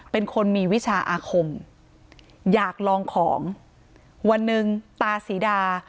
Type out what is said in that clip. เป็นคนมีวิชาอาคมอยากลองของวันหนึ่งตาศรีดา